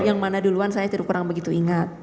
yang mana duluan saya kurang begitu ingat